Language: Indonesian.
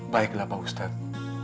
baiklah pak ustadz